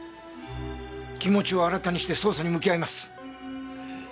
気持ちを新たにして捜査に向き合います。